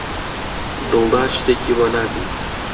دڵدار شتێکی بۆ ناردی.